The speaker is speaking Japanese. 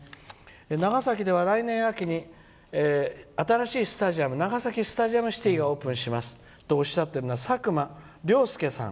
「長崎では来年秋に新しいスタジアム長崎スタジアムシティーがオープンします」とおっしゃっているのはさくまりょうすけさん。